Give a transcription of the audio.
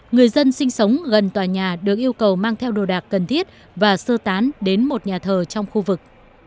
người dân sinh sống gần tòa nhà được yêu cầu mang theo đồ đạc cần thiết và sơ tán đến một nhà thờ trong khu vực